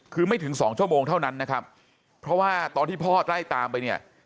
คือไม่ถึงสองชั่วโมงเท่านั้นนะครับเพราะว่าตอนที่พ่อไล่ตามไปเนี่ย